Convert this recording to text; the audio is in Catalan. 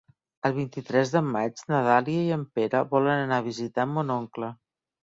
El vint-i-tres de maig na Dàlia i en Pere volen anar a visitar mon oncle.